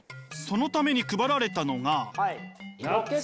そのために配られたのが。